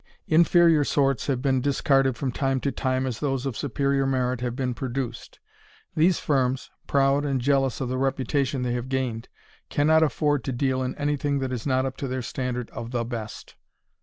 Inferior sorts have been discarded from time to time as those of superior merit have been produced. These firms, proud and jealous of the reputation they have gained, cannot afford to deal in anything that is not up to their standard of "the best."